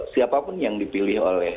siapapun yang dipilih oleh